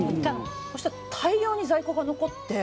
そしたら大量に在庫が残って。